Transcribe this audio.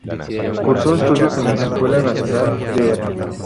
Cursó estudios en la escuela nacional “Dr.